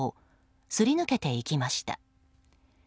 すり抜けていきました。